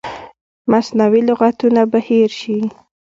مصنوعي لغتونه به هیر شي.